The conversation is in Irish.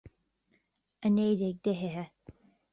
A naoi déag d'fhichithe